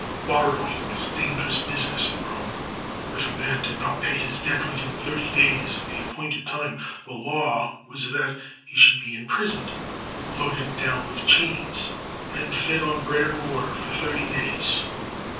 Borrowing was dangerous business in Rome. If a man 291 ROME did not pay his debt within thirty days of the appointed time, the law was that he should be imprisoned, loaded down with chains, and fed on bread and water for thirty days.